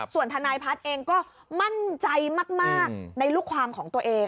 ส่วนทนายพัฒน์เองก็มั่นใจมากในลูกความของตัวเอง